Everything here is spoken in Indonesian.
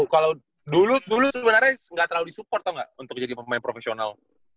kalau dulu sebenarnya nggak terlalu di support tau nggak untuk jadi pemain profesional